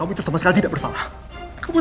saya pada saat datang ke sini